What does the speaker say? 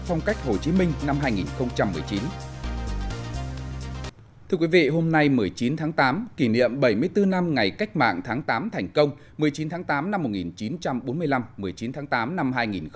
một mươi chín tháng tám năm một nghìn chín trăm bốn mươi năm một mươi chín tháng tám năm hai nghìn một mươi chín